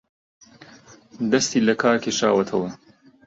دەستی لەکار کێشاوەتەوە